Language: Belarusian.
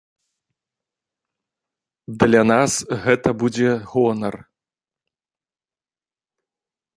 Для нас гэта будзе гонар.